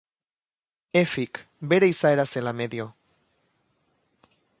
Effiek, bere izaera zela medio.